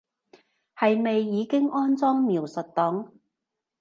係咪已經安裝描述檔